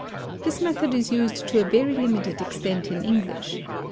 This method is used to a very limited extent in English.